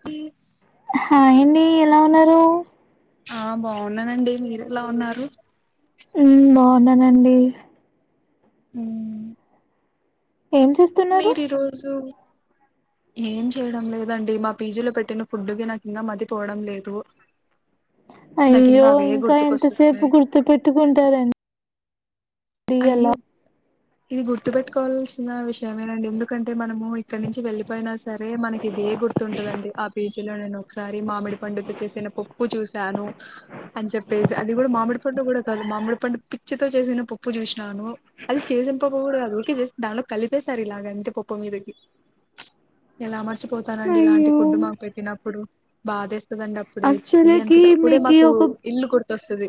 P ఆ ఏడి ఎలా ఉన్నారు ఆ బాగున్నానండి మీరు ఎలా ఉన్నారు ఉ బాగున్నానండి ఉ ఏం చేస్తున్నారు ఉ ఏం చేయడం లేదండి మా పీజీలో పెట్టిన ఫుడ్ తినక నాకు ఇంకా మతిపోవడం లేదు నాకు అయ్యో అవే ఇంకా ఎంతసేపు గుర్తుకొస్తున్నాయి గుర్తు పెట్టుకుంటారండి అలా అయ్యో ఇది గుర్తు పెట్టుకోవాల్సిన విషయమేనండి ఎందుకంటే మనము ఇక్కడ నుంచి వెళ్ళిపోయినా సరే మనకి ఇదే గుర్తుంటదండి ఆ పేజీలో నేను ఒకసారి మామిడి పండుతో చేసిన పప్పు చూశాను అని చెప్పేసి అది కూడా మామిడి పండు కూడా మామిడి పండు పిచ్చితో చేసిన పప్పు జూసినాను అది చేసిన పప్పు గూడా గాదు ఊరికే చేసి దాంట్లో కలి యే సరి ఇలాగంటే పప్పు మీదకి ఎలా మర్చి పోతానండి ఇలాంటి అయ్యో ఫుడ్ మాకు పెట్టినప్పుడు బాదేస్ వస్తదండి అప్పుడే చీ అస్సలకి అనిపిస్తది అప్పుడే మీకి మాకు ఒక ఇల్లు గుర్తొస్తది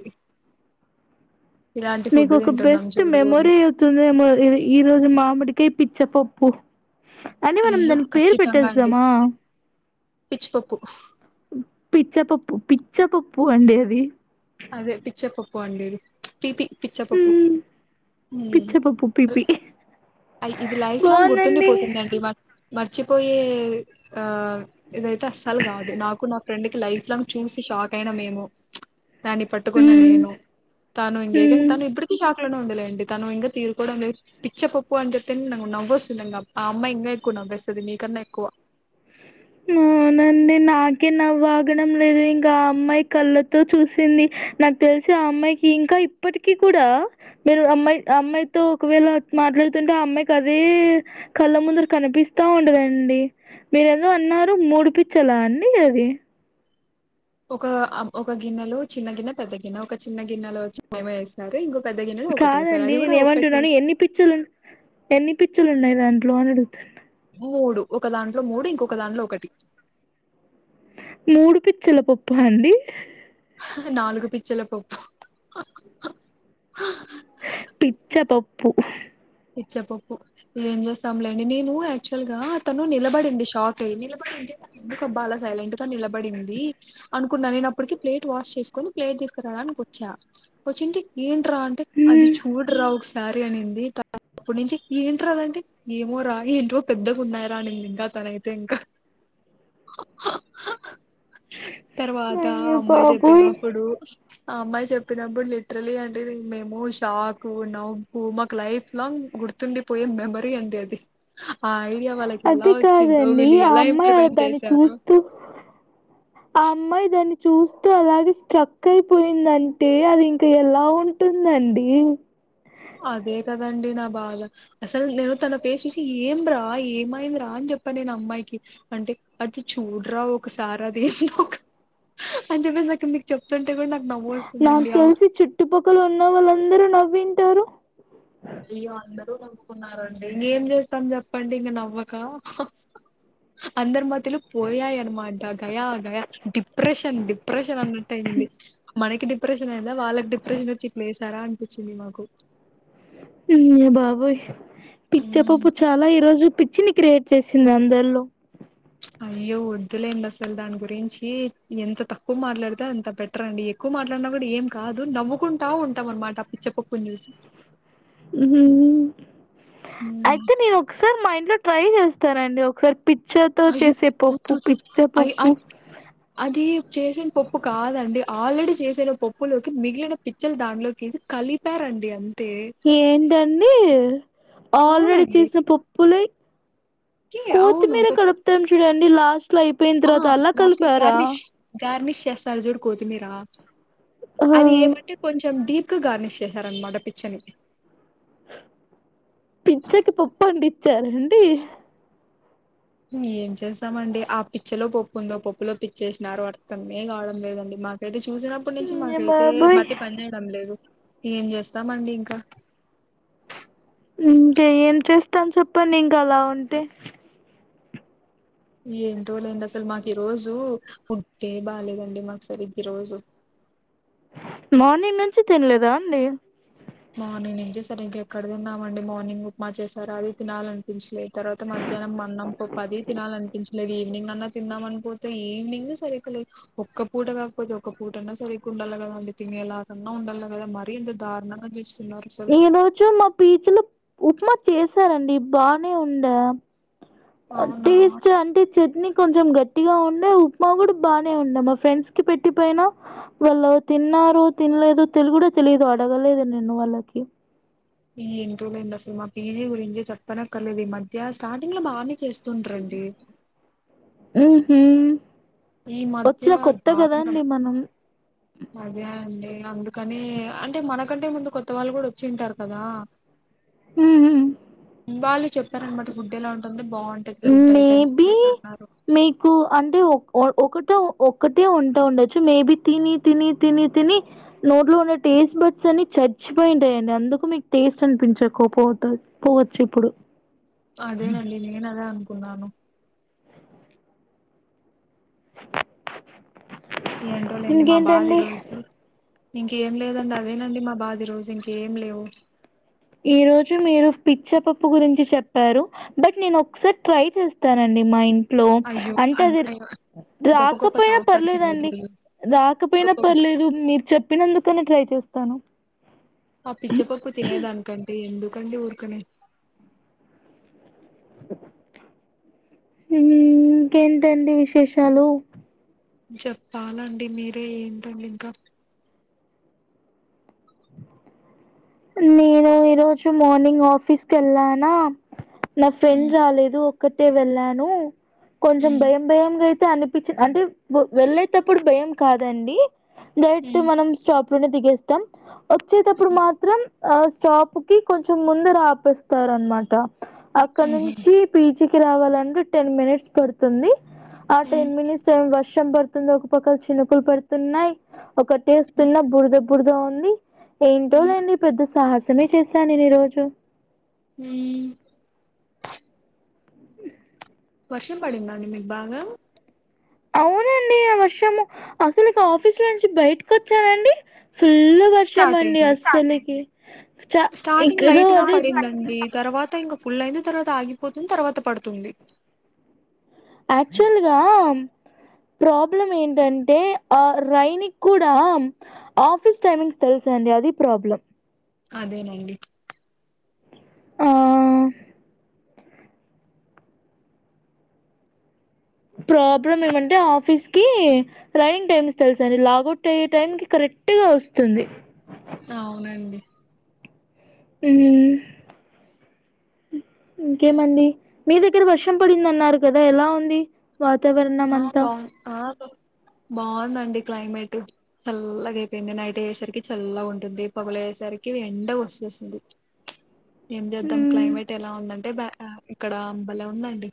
ఇలాంటి ఫుడ్ మీకు ఒక దిం బెస్ట్ మెమొరీ అవుతుందేమో ఈ రోజు మామిడికాయ పిచ్చ పప్పు అని మనం అయ్యో దానికి పేరు ఖచ్చితంగా అండి పెట్టేస్తామా పిచ్చిపప్పు పిచ్చా పప్పు పిచ్చా పప్పు అండి అది అదే పచ్చ పప్పు అండేది పిపి పిచ్చపప్పు మ్మ్ ఉమ్ పిచ్చపప్పు పిపి ఇది లైఫ్ లాంగ్ బాగుందండి గుర్తుండిపోతుందండి మన మర్చిపోయే ఆ ఇదైతే అస్సలు గాదు నాకు నా ఫ్రెండ్ కి లైఫ్ లాంగ్ చూసి షాక్ అయినా మేము దాన్ని పట్టుకున్న మ్మ్ నేను తను ఇంగేక మ్మ్ తను ఇప్పటికి షాక్ ఉందిలేండి తను ఇంకా తీరుకోవడం లేదు పిచ్చ పప్పు అని చెప్తే నవ్వొస్తుందండి ఆ అమ్మాయి ఇంకా ఎకు నవ్వేస్తది మీకన్నా ఎక్కువ ఉమ్ అవునండి నాకే నవ్వాగడం లేదు ఇంకా ఆ అమ్మాయి కళ్ళతో చూసింది నాకు తెలిసి ఆ అమ్మాయికి ఇంకా ఇప్పటికీ కూడా మీరు అమ్మాయి అమ్మాయితో ఒకవేళ అ మాట్లాడుతుంటే ఆ అమ్మాయికి అదే కళ్ళ ముందర కనిపిస్తా ఉంటదండి మీరే అన్నారు ముడుపిచ్చలా అండి అది ఒక ఒక గిన్నెలో చిన్న గిన్నె పెద్ద గిన్నె ఒక చిన్న గిన్నెలో చ్చి ఏమో యేసారు ఇంకొ కాదండి నేను ఏమంటున్నాను ఎన్ని పిచ్చలు ఎన్ని పిచ్చ పుచ్చులున్నాయి దాంట్లో అని అడుగుతున్నా మూడు ఒక దాంట్లో మూడు ఇంకొక దాంట్లో ఒకటి మూడు పిచ్చల పప్పా అండి నాలుగు పిచ్చల పప్పు పిచ్చ పప్పు పిచ్చపప్పు ఇగ ఏం జేస్తాంలేండి నేను యాక్చువల్ గా తను నిలబడింది షాక్ అయ్యి నిలబడింది ఎందుకబ్బా అలా సైలెంట్ గా నిలబడింది అనుకున్నా నేనప్పటికి ప్లేట్ వాష్ చేసుకుని ప్లేట్ తీసుకురా వచ్చా వచ్చింటే ఏంట్రా అంటే అది హ్మ్. చూడరా ఒకసారి అనింది అప్పటి నుంచి ఏంటి రా అదంటే ఏమో రా ఏంటో పెద్దగా ఉన్నాయిరా అనింది ఇంకా తనైతే ఇంకా హే తర్వాత అమ్మాయి జెప్పినప్పుడు అమ్మాయి చెప్పినప్పుడు లిట్రలీ అంటే మేము షాక్ నవ్వు మాకు లైఫ్ లాంగ్ గుర్తుండి పోయే మెమరీ అండి అది ఆ ఐడియా వాళ్ళకి ఎలా అది వచ్చిందో కాదండి వీళ్ళు ఆ ఎలా అమ్మాయి అలా ఇంప్లిమెంట్ దాన్ని చేశారో చూస్తూ ఆ అమ్మాయి దాన్ని చూస్తూ అలాగే స్ట్రక్ అయిపోయిందంటే అది ఇంకా ఎలా ఉంటుందండి అదే గదండి నా బాధ అసలు నేను తన ఫేస్ చూసి ఏం రా ఏమయింద్రా అని చెప్ప నేను అమ్మాయికి అంటే అది చూడర్రా ఒకసారి అది ఏందో ఒక అని చెప్పేసి నాక్ మీకు చెప్తుంటే కూడా నాకు నవ్వు నాకు వస్తుందండి ఆ తెలిసి చుట్టుపక్కల ఉన్న వాళ్ళందరూ నవ్వింటారు అయ్యో అందరూ నవ్వుకున్నారండి ఇంకేం చేస్తాం చెప్పండి ఇంక నవ్వక అందరు మధ్ మద్యలో పోయాయి అనమాట గయా గయా డిప్రెషన్ డిప్రెషన్ అన్నట్టు అయ్యింది. మనకి డిప్రెషన్ అయ్యిందా, వాళ్ళకి డిప్రెషన్ వచ్చి ఇట్ల చేసారా అనిపిచ్చింది మాకు. అయ్య బాబోయ్ పిచ్చ పప్పు ఉమ్, చాలా ఈ రోజు పి చ్చిని క్రియేట్ చేసింది అందరిలో. అయ్యో వద్దులేండి అసలు దాని గురించి ఎంత తక్కువ మాట్లాడితే అంత బెటర్ అండి. ఎక్కువ మాట్లాడినా కూడా ఏం కాదు, నవ్వుకుంటా ఉంటాం అనమాట ఆ పిచ్చపప్పుని చూసి. ఉమ్, అయితే నేను ఒకసారి మా ఇంట్లో ట్రై చేస్తానండి ఒకసారి. పిచ్చతో అయ్యో చేసే పప్పు వద్దు వద్దు పిచ్చ అ పప్పు. అది చేసిన పప్పు కాదండి, ఆల్రెడీ చేసిన పప్పులోకి మిగిలిన పిచ్చలు దాంట్లోకేసి కలిపారండి అది. ఏంటండి ఆల్రెడీ అవునండి. చేసిన పప్పులేయి కి అవును. కోతిమీర పెప్ కలుపుతాం చూడండి లాస్ట్ లో అయిపోయిన ఆ! తర్వాత అలా కలిపారా. ఎస్తరు చూడు కొతిమీరా ఆ అది ఏంమంటే కొంచెం డీప్ ఎక్కువ గార్నిష్ చేశారన్నమాట పిచ్చలకి పిచ్చకి పప్పంటిచ్చారాండి. ఏం చేస్తామండి. ఆ పిచ్చలో పప్పు ఉందో, ఆ పప్పులో పిచ్చేసినారో అర్థమే కావడం లేదండి మాకైతే. చూసినప్పటి నుంచి ఇంగ మాకైతే బాబోయ్ మతి పని చేేయడం లేదు. ఏం చేస్తామండి ఇంకా. ఇంకా ఏం చేస్తాము చెప్పండి ఇంకా అలా ఉంటే. ఏంటోలేండి అసలు మాకు ఈ రోజు ఫుడ్డే బాలేేదండి మాకు సరిగ్గా ఈ రోజు. అవు మార్నింగ్ నుంచి తినలేదా అండి. మార్నింగ్ నుంచి సరిగ్గా ఎక్కడ తిన్నామండి. మార్నింగ్ ఉప్మా చేశారు అది తినాలనిపించలేదు, తర్వాత మ మధ్యాహ్నం అన్నం పప్పు అది తినాలనిపించలేదు. ఈవినింగ్ అన్నా తిందామనిపోతే ఈవినింగ్ సరిగ్గా లేదు. ఒ ఒక్క పూట కాకపోతే ఒక పూటన్నా సరిగ్గా ఉండాల కదా అండి. తినేలాగన్నా ఉండాల కదా మరీ ఇంత దారుణంగా చేస్తున్నారు అసలు ఈ రోజు మా పీజిలో ఉప్మా చేసారండి బానే ఉండా. అవునా టీ చ అంటే చట్నీ కొంచెం గట్టిగా ఉండే, ఉప్మా కూడా బానే ఉండే. మా ఫ్రెండ్స్ కి పెట్టిపోయినా వాళ్ళు తిన్న తిన్నారో తినలేదో తెలు కూడా తెలియదు అడగలేదు నేను వాళ్ళకి. ఏంటో లేండి అసలు మా పీజీ గురించి చెప్పనక్కరలేేదు. ఈ మధ్య స్టార్టింగ్ లో బాగానే చేస్తుండ్రి అం డి. ఉహ్ ఈ మధ్య వచ్చిన కొత్త కదా దారుణం అండి మనం. అదే అండి అందుకని అంటే మనకంటే ముందు కొత్త వాళ్ళు కూడా వచ్చింటారు కదా. ఉహ్ వాళ్ళు చెప్పారన్నమాట ఫుడ్ ఎలా ఉంటుందని. మేబి మీకు అంటే ఒ ఒక ఒకటు టుఒక్కటే ఉంటా ఉండొచ్చు. మేబి తిని తిని తిని తిని నోట్లో ఉన్న టేస్ట్ బడ్స్ అన్ని చచ్చిపోయింటాయండి అందుకు మీకు టేస్ట్ అనిపించక పోత పోవచ్చు ఇప్పుడు. అదేనండి నేనదే అనుకున్నాను. ఏంటోలేండి మా బాధ ఈ ఇంకేంటండి రోజు. ఇంకేం లేదండి అదేనండి మా బాధ రోజు ఇంకేం లేవు. ఈ రోజు మీరు పిచ్చపప్పు గురించి చెప్పారు బట్ నేను ఒకసారి ట్రై చేస్తానం డి మా ఇంట్లో అయ్యో అంటే అన్- అది అయ్యో గొప్ప గొప్ప రాకపోయినా సాహసాలు పర్లేదండి. చేయకూడదు రాకపోయినా గొప్ప గొప్ప- పర్లేదు మీరు చెప్పినందుకన్నా ట్రై చేస్తాను. ఆ పిచ్చపప్పు తినేదానికంటే ఎందుకండి ఊరకనే ఇంకేంటండి విశేషాలు? చెప్పాలండి మీరే ఏంటండి ఇంకా నేను ఈరోజు మార్నింగ్ ఆఫీస్ కెళ్ళానా నా ఫ్రెండ్ ఉమ్, రాలేదు ఒక్కత్తె వెళ్ళాను కొంచెం ఉమ్, భయం భయంగయ్ తె అనిపిచ్చిన్ అంటే వెళ్ళేటప్పుడు భయం కాదండి దట్ ఉమ్, మనం స్టాప్ ప్ లోనె దిగేస్తాం వచ్చేటప్పుడు మాత్ ఆ స్టాప్ కి కొంచెం ముందు రాపిస్తారన్మాట అక్కడ ఉమ్, ఉమ్, నుంచి పీ జీ కి రావాలంటే టెన్ మినిట్స్ పడుతుంది ఆ టెన్ మినిట్స్ ఏం వర్షం పడుతుంది ఒక పక్కల చినుకులు పడుతున్నయ్ ఒకటేస్ ఉమ్, కింద బురద బురదగా ఉంది ఏంటో ఉమ్, లేండి సాహసమే చేశా నేను ఈ రోజు ఉమ్ వర్షం పడిందాండి మీకు బాగా అవునండి అ వర్షము అసలింకా ఆఫీస్ నుంచి బయటకొచ్చానండి ఫుళ్ళు వర్షం స్టార్ట్ అండి అయింది అసల్కి స్టార్టింగ్ లైట్ గా పడిందండి తర్వాత ఇంక ఫు ఫుళ్ళయింది తర్వాత ఆగిపోతుంది తర్వాత పడుతుంది ఆక్చువల్గా ప్రాబ్లం ఏంటంటే ఆ రైనీ క్కుడా ఆఫీస్ టైమింగ్ తెల్సు అండి అదీ ప్రాబ్లం అదేనండి ఆ ప్రాబ్లమ్ ఏమంటే ఆఫీస్ కి రైన్ టైమింగ్స్ తెలుసండి లాగౌట్ అయ్యే టైం కి కర్ ట్టుగా వస్తుంది అవునండి ఉమ్ ఇంకేమండి మీ దగ్గర వర్షం పడిందన్నారు గదా ఎలా ఉంది వాతావరణమంతా బావుందండి క్లైమేట్ చల్లగా అయిపోయింది నైట్ అయ్యేసరికి చల్లగుంటుంది పగలై సరకి ఎండ వచ్చేస్తుంది అ ఏం చేద్దాం క్లైమేట్ ఎలా ఉందంటే బా ఆ ఇక్కడా బలే ఉందండి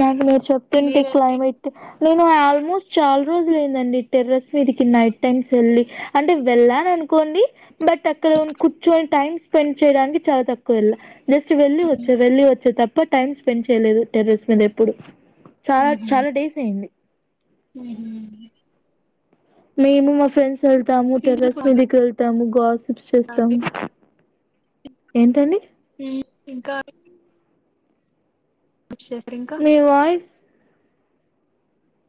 నాకు నువ్ చెప్తుంటె మీరండి క్లైమేట్ నేను ఆల్మోస్ట్ చాలా రోజులు అయిందండి టెర్రస్ మీదకి నైట్ టైమ్స్ వెళ్ళి అంటే వెళ్ళానన్ నుకోండి బట్ అక్కడ కూర్చోని టైం స్పెండ్ చేయడానికి చాలా తక్కువెళ్ళ జస్ట్ వెళ్ళి ఉహు వచ్చ వెళ్ళి వచ్చ తప్ప టైం స్పెండ్ చేయలేదు టెర్రస్ మీద ఎప్పుడు చాలా చాలా డేస్ అయింది ఉమ్ హ్ హ్ మేము మా ఫ్రెండ్స్ వెళ్తాము పీజీలో టెర్రస్ బాగుంటుందా మీదికి వెళ్తాము గోస్ అండి? ఏంటండి ఉమ్, ఇంకా సిప్స్ చేస్తరింకా మీ వాయిస్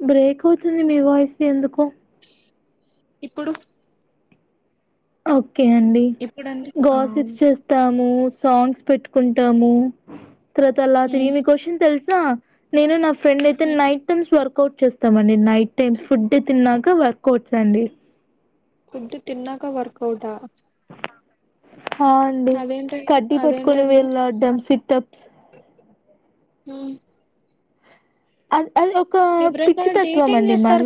బ్రేక్ అవుతుంది మీ వాయిస్ ఎందుకో ఇప్పుడు ఓకే అండి ఇప్పుడండి ఆ ఉమ్, గోసిప్స్ చేస్తాము సాంగ్స్ పెట్టుకుంటాము తర్వాత అలా తిరిగి మీకవచ్చన్ తెలుసా నేను నాకు ఫ్రెండ్ అయితే ఉమ్. నైట్ టైమ్స్ వర్ వర్కవుట్ చేస్తామండి నైట్ టైమ్స్ ఫుడ్ తిన్నాక వర్కవుట్స్ అండి ఫుడ్ తిన్నాక వర్కవుట్ ఆ ఆ అండి అదేంటండి కడ్డి పట్టుకొని అదేంటండి వళడ్డం సిటప్స్ ఊ అది అది ఒక ఎవరైనా పిచ్చితత్వం అండి మాళ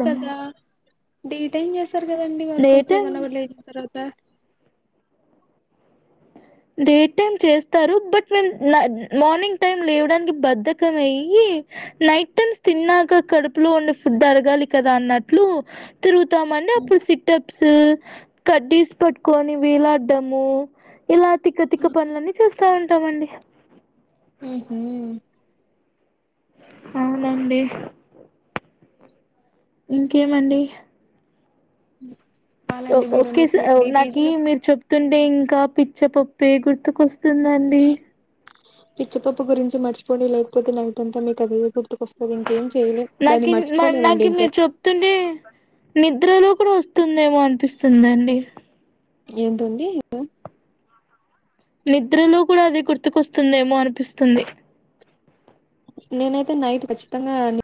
డీటైం చేస్తారు కదండి వర్కౌట్స్ టైమ్ ఏమన్నా కూడా లేసిన తర్వాత డే టైమ్ చేస్తారు బట్ మేము నా మార్నింగ్ టైం లేవడానికి బధకం అయి నైట్ టైమ్ తిన్నాక కడుపులో ఉండే ఫుడ్ అరగాలి కదా అన్నట్లు తిరుగు తమండీ అప్పుడు సిటప్స్ కట్టీసి పట్టుకొని వీలాడ్డాము ఇలా తిక్కతిక్క పనులన్నీ చూస్తా ఉంటామండి ఉహు అవునండి ఇంకేమండి ఉ ఓ ఓకే సా నాకి మీరు చెప్ ప్తుంటే ఇంకా పిచ్చపప్పే గుర్తుకొస్తుందండి పిచ్చపప్పు గురించి మర్చిపోండి లేకపోతే నైట్ అంతా మీకు అదే చె నాకు మర్చిపోలేమండి నాకు ఇంకా మీరు చెప్తుండే నిద్రలో కూడా వస్తుందేమో అనిపిస్తుందండి ఏంతుంది అ నిద్రలో కూడా అది గుర్తుకొస్తుందేమో అనిపిస్తుంది నేనైతే నైట్ ఖచ్చితంగా అం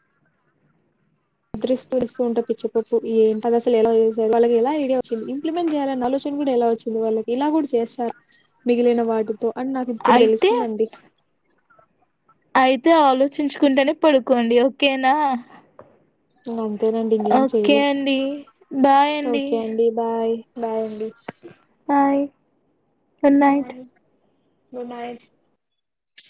స్తు స్తు ఉంటారు పిచ్చ పప్పు ఏంటది అస ఎలా చేషారు వాళ్ళకి ఎలా ఐడియా వచ్చింది ఇంప్లిమెంట్ చేయాలన ఆలోచన ఎలా వచ్చింది వాళ్ళకి ఇలా కూడా చేస్తారు మిగిలిన వాటి అని నాకు ఇప్పుడు అయితే తెలుస్తుందండి అయితే ఆలోచించుకుంటేనే పడుకోండి ఓకేనా అంతేనండి ఇంక ఏం ఓకే చెయ్యలే అండి బాయ్ ఓకే అండి బాయ్ బాయ్ అండి ఆయ్ good night bye good night